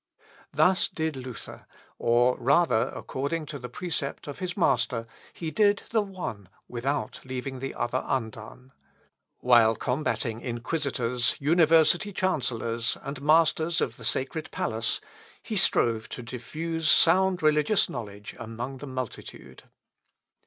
Thus did Luther, or rather according to the precept of his Master, he did the one, without leaving the other undone. While combating inquisitors, university chancellors, and masters of the sacred palace, he strove to diffuse sound religious knowledge among the multitude.